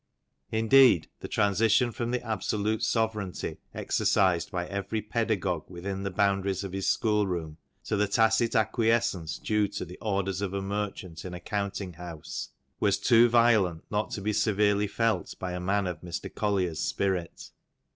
Indeed the transition from the absolute sovereignty exercised by every pedagogue within the boundaries of his school room, to the tacit acquiescence due to the orders of a merchant in a counting house, was too violent not to be severely felt by a man of Mr. Collier's spirit.